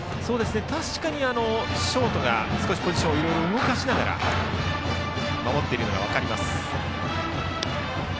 確かに、ショートがポジションを動かしながら守っているのが分かります。